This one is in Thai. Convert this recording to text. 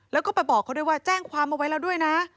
แล้วก็ไปบอกเขาด้วยว่าแจ้งความเอาไว้แล้วด้วยนะ